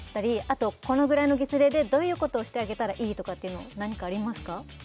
あとこのぐらいの月齢でどういうことをしてあげたらいいとかっていうの何かありますか？